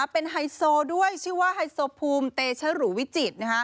เป็นไฮโซด้วยชื่อว่าไฮโซภูมิเตชรูวิจิตร